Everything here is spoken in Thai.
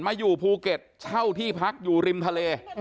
อยู่ภูเก็ตเช่าที่พักอยู่ริมทะเล